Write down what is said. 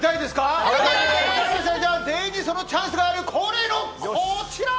全員にそのチャンスがある恒例の、こちら！